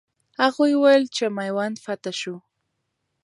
هغوی وویل چې میوند فتح سو.